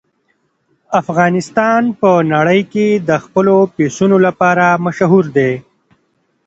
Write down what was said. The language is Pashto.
افغانستان په نړۍ کې د خپلو پسونو لپاره مشهور دی.